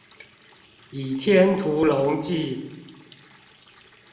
倚天屠龍記